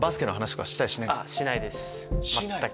しないです全く。